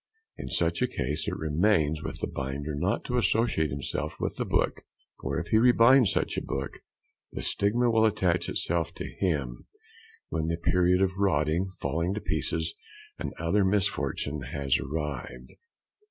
In such a case it remains with the binder not to associate himself with the book; for if he rebinds such a book the stigma will attach itself to him when the period of rotting, falling to pieces, and other misfortunes has arrived.